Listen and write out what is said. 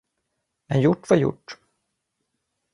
Men gjort var gjort.